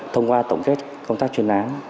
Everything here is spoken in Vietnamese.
thông qua tổng kết công tác chuyên án